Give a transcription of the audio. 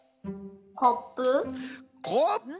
コップ。